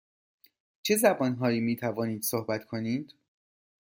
چه زبان هایی می توانید صحبت کنید؟